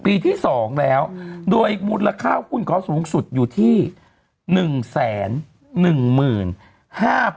ปีที่๒แล้วโดยมูลค่าคุณขอสูงสุดอยู่ที่๑๑๕๒๙๐ล้านบาท